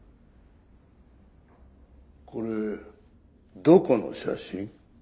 これどこの写真？